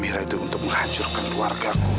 berarti aminah itu untuk menghancurkan keluarga aku